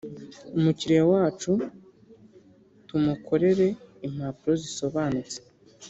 umukiriya wacu tumokerere impapuro zisobanutse